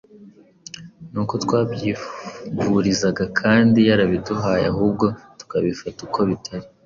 nuko twabyivurisha kandi yarabiduhaye ahubwo tukabifata uko bitari